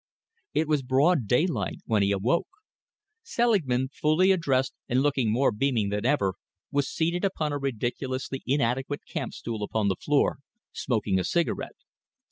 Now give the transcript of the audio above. It was broad daylight when he awoke. Selingman, fully dressed and looking more beaming than ever, was seated upon a ridiculously inadequate camp stool upon the floor, smoking a cigarette.